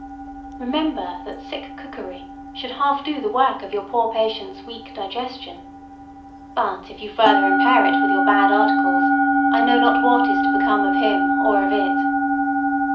Remember that sick cookery should half do the work of your poor patient's weak digestion. But if you further impair it with your bad articles, I know not what is to become of him or of it.